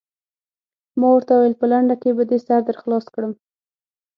ما ورته وویل: په لنډو کې به دې سر در خلاص کړم.